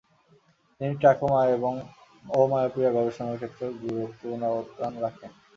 তিনি ট্রাকোমা ও মায়োপিয়া নিয়ে গবেষণার ক্ষেত্রেও গুরুত্বপূর্ণ অবদান রাখেন।